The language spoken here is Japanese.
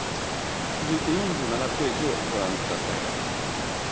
続いて４７ページをご覧ください。